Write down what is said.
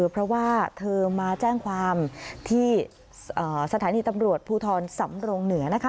เพราะว่าเธอมาแจ้งความที่สถานีตำรวจภูทรสำรงเหนือนะคะ